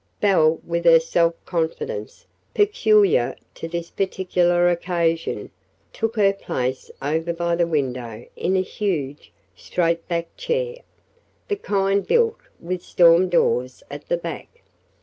Belle, with her self confidence, peculiar to this particular occasion, took her place over by the window in a huge, straight back chair the kind built with "storm doors at the back."